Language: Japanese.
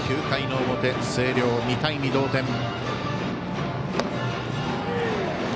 ９回の表、星稜、２対２同点。